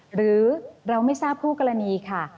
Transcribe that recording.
หรือเราไม่ทราบคู่กรณีค่ะ